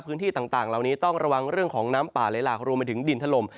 พื้นที่ต่างเหล่านี้ต้องระวังเรื่องของน้ำป่าไหลหลากรวมไปถึงดินถล่ม